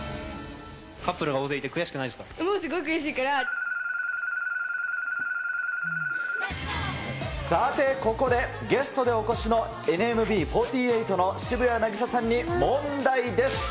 カップルが大勢いて悔しくなもうすごい悔しいから、さて、ここで、ゲストでお越しのＮＭＢ４８の渋谷凪咲さんに問題です。